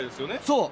そう。